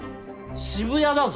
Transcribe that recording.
渋谷だぞ？